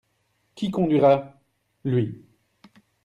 Qui conduira ?- Lui.